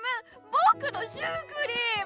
ぼくのシュークリーム！